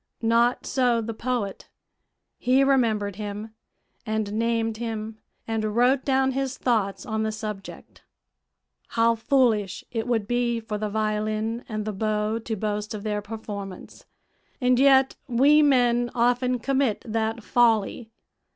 Not so the poet; he remembered him, and named him, and wrote down his thoughts on the subject. "How foolish it would be for the violin and the bow to boast of their performance, and yet we men often commit that folly.